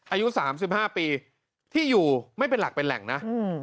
อายุ๓๕ปีที่อยู่ไม่เป็นหลักเป็นแหล่งนะ